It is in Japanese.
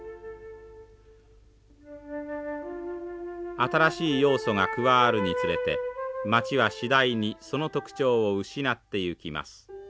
新しい要素が加わるにつれて街は次第にその特徴を失っていきます。